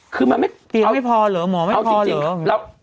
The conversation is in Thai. เปรียงไม่พอเหรอหมอไม่พอเหรอ